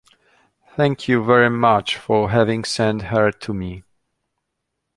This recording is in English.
Thank you very much for having sent her to me.